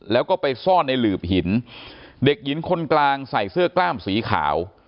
แล้วก็ไปซ่อนในหลืบหินเด็กหญิงคนกลางใส่เสื้อกล้ามสีขาว